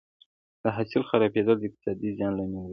د حاصل خرابېدل د اقتصادي زیان لامل ګرځي.